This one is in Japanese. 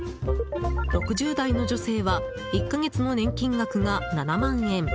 ６０代の女性は１か月の年金額が７万円。